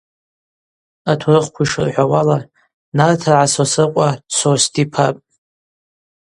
Атурыхква йшырхӏвауала, Нартыргӏа Сосрыкъва Сос дипапӏ.